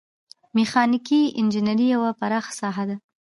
میخانیکي انجنیری یوه پراخه ساحه ده.